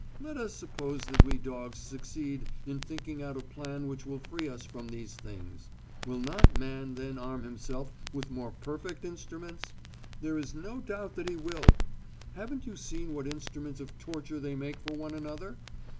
Let us suppose that we dogs succeed in thinking out a plan which will free us from these things. Will not man then arm himself with more perfect instruments? There is no doubt that he will. Haven't you seen what instruments of torture they make for one another?